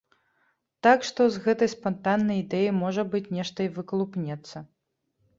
Так што, з гэтай спантаннай ідэі, можа быць, нешта і выкалупнецца.